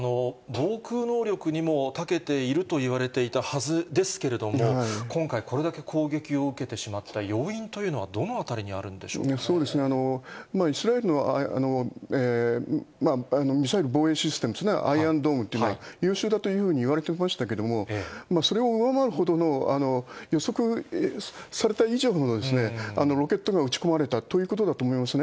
防空能力にもたけているといわれていたはずですけれども、今回、これだけ攻撃を受けてしまった要因というのはどのあたりにあるんイスラエルのミサイル防衛システムですね、アイアンドームというのは優秀だというふうにいわれていますけれども、それを上回るほどの予測された以上のロケットが撃ち込まれたということだと思いますね。